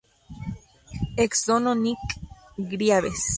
Ex dono Nic Greaves.